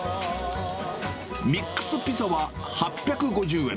ミックスピザは８５０円。